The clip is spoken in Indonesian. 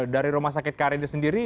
dari rumah sakit karini sendiri